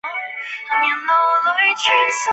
书包通常由使用者背于肩上行走。